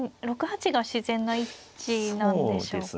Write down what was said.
６八が自然な位置なんでしょうか。